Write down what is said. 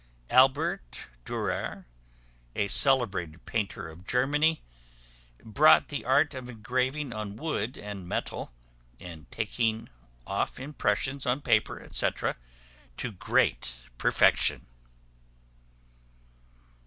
Albert Durer, a celebrated painter of Germany, brought the art of engraving on wood and metal, and taking off impressions on paper, &c., to great perfection.